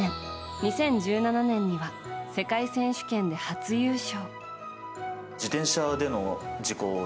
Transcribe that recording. ２０１７年には世界選手権で初優勝。